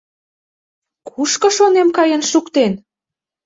Кушко, шонем, каен шуктен?